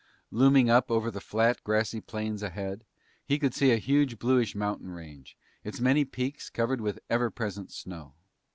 Looming up over the flat grassy plains ahead, he could see a huge bluish mountain range, its many peaks covered with ever present snow.